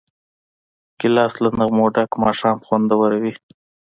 ګیلاس له نغمو ډک ماښام خوندوروي.